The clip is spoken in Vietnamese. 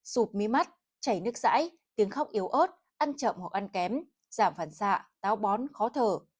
sụp mí mắt chảy nước rãi tiếng khóc yếu ớt ăn chậm hoặc ăn kém giảm phản xạ táo bón khó thở